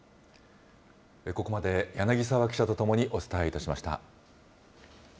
ここまで、柳澤記者と共にお伝えいたしました。